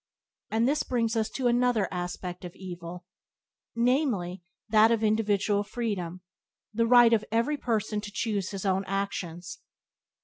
And this brings us to another aspect of evil — namely, that of individual freedom; the right of every person to choose his own actions.